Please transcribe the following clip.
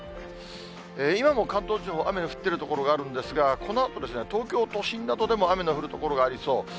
今も関東地方、雨の降っている所があるんですが、このあと、東京都心などでも雨の降る所がありそう。